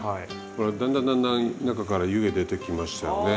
ほらだんだんだんだん中から湯気出てきましたよね。